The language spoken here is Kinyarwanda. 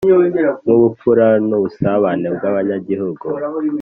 Nk’ubupfura n’ubusabane bw’abanyagihugu